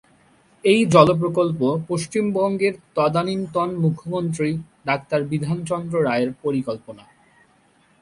এই জল প্রকল্প পশ্চিমবঙ্গের তদনীন্তন মুখ্যমন্ত্রী ডাক্তার বিধানচন্দ্র রায়ের পরিকল্পনা।